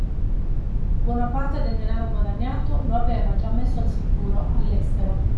Buona parte del denaro guadagnato lo aveva già messo al sicuro, all'estero.